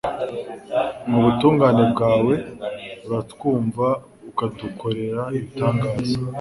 mu butungane bwawe, uratwumva ukadukorera ibitangaza